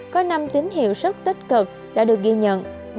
có năm tín hiệu rất tích cực đã được ghi nhận